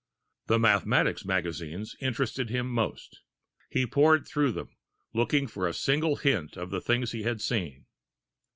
The mathematics magazines interested him most. He pored through them, looking for a single hint of the things he had seen.